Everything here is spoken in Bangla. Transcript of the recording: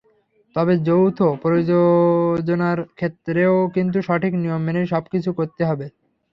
তবে যৌথ প্রযোজনার ক্ষেত্রেও কিন্তু সঠিক নিয়ম মেনেই সবকিছু করতে হবে।